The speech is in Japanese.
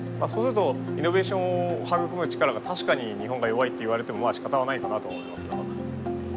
そうするとイノベーションを育む力が確かに日本が弱いっていわれてもしかたがないかなと思います。